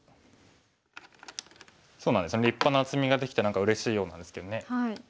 そうなんですよね立派な厚みができてうれしいようなんですけどね。